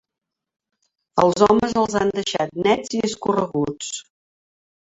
Els homes els han deixat nets i escorreguts.